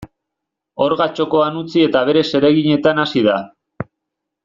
Orga txokoan utzi eta bere zereginetan hasi da.